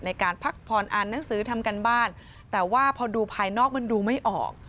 ในการพักผ่อนอ่านหนังสือทำการบ้านแต่ว่าพอดูภายนอกมันดูไม่ออก